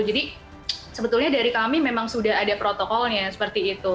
jadi sebetulnya dari kami memang sudah ada protokolnya seperti itu